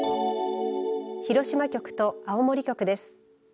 広島局と青森局です。